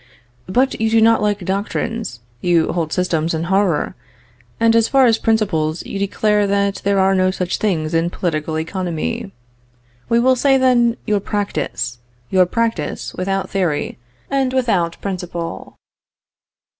But you do not like doctrines; you hold systems in horror; and, as for principles, you declare that there are no such things in political economy. We will say then, your practice; your practice without theory, and without principle.